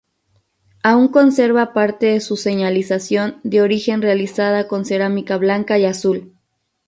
Aún conserva parte de su señalización de origen realizada con cerámica blanca y azul.